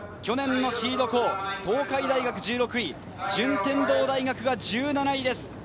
去年のシード校、東海大学１６位、順天堂大学が１７位です。